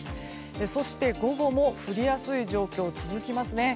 そして午後も降りやすい状況、続きますね。